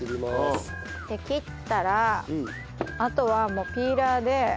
切ったらあとはもうピーラーで。